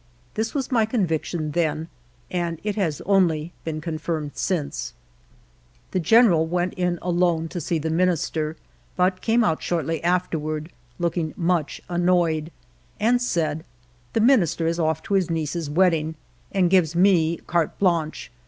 This was my conviction then, and it has only been confirmed since. 44 FIVE YEARS OF MY LIFE The General went in alone to see the Minister, but came out shortly afterward, looking much annoyed, and said: "The Minister is off to his niece's wedding, and leaves me carte blanche.